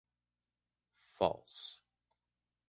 False.